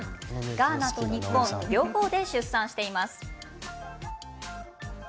ガーナと日本両方で出産しています。